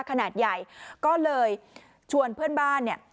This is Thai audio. ขนาดใหญ่ก็เลยชวนเพื่อนบ้านเนี่ย